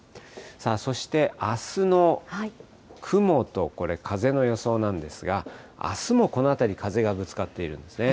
そしてあすの雲とこれ、風の予想なんですが、あすもこの辺り、風がぶつかっているんですね。